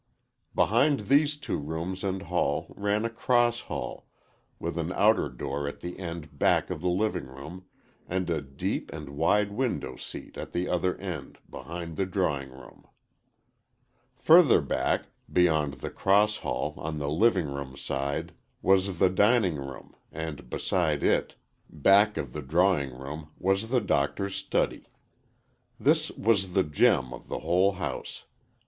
Behind these two rooms and hall, ran a cross hall, with an outer door at the end back of the living room and a deep and wide window seat at the other end, behind the drawing room. Further back, beyond the cross hall, on the living room side, was the dining room, and beside it, back of the drawing room was the Doctor's study. This was the gem of the whole house.